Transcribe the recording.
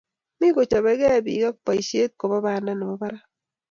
Mii kochobekei bik ab boisheet koba banda nebo barak